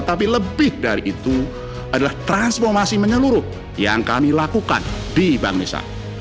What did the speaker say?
tapi lebih dari itu adalah transformasi menyeluruh yang kami lakukan di bangsa